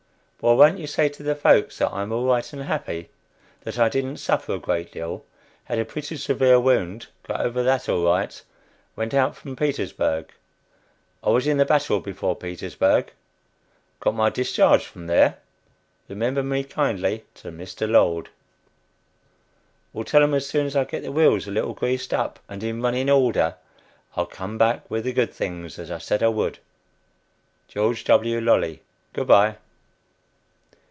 "Well, won't you say to the folks that I'm all right, and happy? that I didn't suffer a great deal, had a pretty severe wound, got over that all right; went out from Petersburg. I was in the battle before Petersburg; got my discharge from there. Remember me kindly to Mr. Lord. "Well, tell 'em as soon as I get the wheels a little greased up and in running order I'll come back with the good things, as I said I would, George W. Lolley. Good bye."